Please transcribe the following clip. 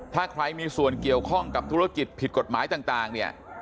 ถ้าใครมีส่วนเกี่ยวข้องกับธุรกิจผิดกฎหมายต่างเนี่ย